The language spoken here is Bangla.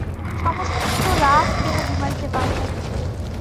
সমস্ত রাত কেহ ঘুমাইতে পায় নাই।